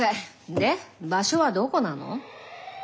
で場所はどこなの？